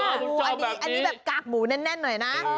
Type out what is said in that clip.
อันนี้แบบกากหมูแน่นหน่อยนะ